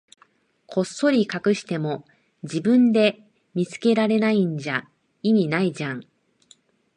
こっそり隠しても、自分で見つけられないんじゃ意味ないじゃん。